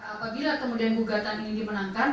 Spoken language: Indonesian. apabila kemudian gugatan ini dimenangkan